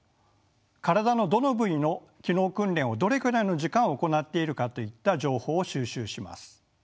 体のどの部位の機能訓練をどれくらいの時間行っているかといった情報を収集します。